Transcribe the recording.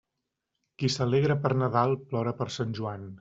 Qui s'alegra per Nadal, plora per Sant Joan.